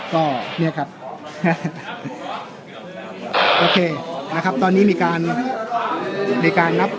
ก็เนี่ยครับโอเคนะครับตอนนี้มีการในการนับ